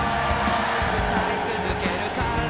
歌い続けるから